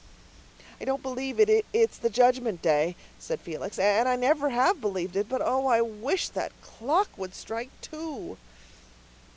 "I don't believe it's the Judgment Day," said Felix, "and I never have believed it. But oh, I wish that clock would strike two."